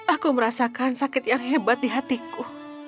aku merasakan sakit yang hebat di hatiku